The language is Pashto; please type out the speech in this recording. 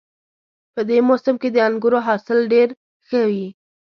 په دې موسم کې د انګورو حاصل ډېر ښه وي